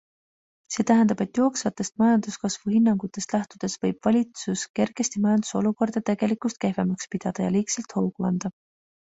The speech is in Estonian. See tähendab, et jooksvatest majanduskasvu hinnangutest lähtudes võib valitsus kergesti majanduse olukorda tegelikust kehvemaks pidada ja liigselt hoogu anda.